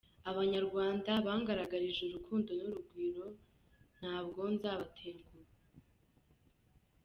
Abanyarwanda bangaragarije urukundo n’urugwiro, ntabwo nzabatenguha.